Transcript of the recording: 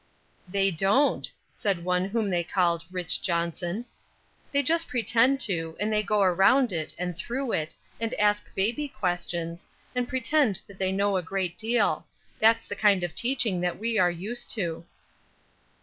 "They don't," said one whom they called "Rich. Johnson." "They just pretend to, and they go around it, and through it, and ask baby questions, and pretend that they know a great deal; that's the kind of teaching that we are used to."